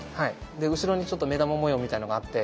で後ろにちょっと目玉模様みたいのがあって。